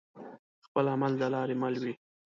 خپل عمل د لاري مل وي